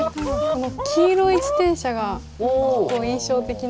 この黄色い自転車が結構印象的なんで。